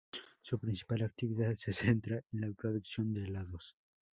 Su principal actividad se centra en la producción de helados.